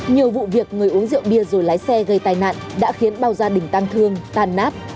nhiều vụ việc người uống rượu bia rồi lái xe gây tai nạn đã khiến bao gia đình tan thương tàn nát